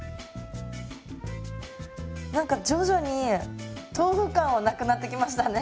何か徐々に豆腐感はなくなってきましたね。